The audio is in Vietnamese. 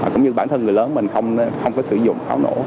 cũng như bản thân người lớn mình không có sử dụng pháo nổ